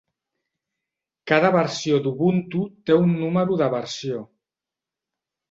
Cada versió d'Ubuntu té un número de versió.